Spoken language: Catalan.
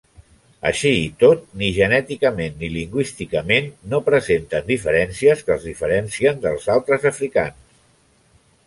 Així i tot, ni genèticament ni lingüísticament no presenten diferències que els diferencien d'altres africans.